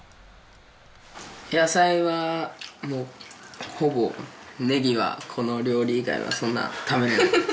野菜はもうほぼネギはこの料理以外はそんな食べられないです。